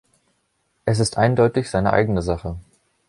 Es ist eindeutig seine eigene Sache.